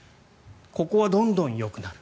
ここはどんどんよくなる。